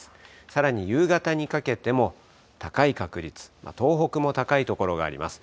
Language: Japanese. さらに夕方にかけても、高い確率、東北も高い所があります。